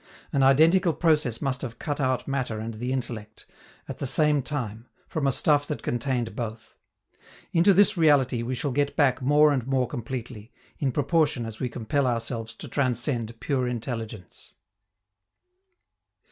An identical process must have cut out matter and the intellect, at the same time, from a stuff that contained both. Into this reality we shall get back more and more completely, in proportion as we compel ourselves to transcend pure intelligence.